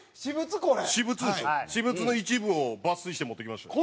私物の一部を抜粋して持ってきました。